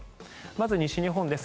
まず西日本です。